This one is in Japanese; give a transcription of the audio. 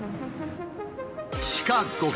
地下５階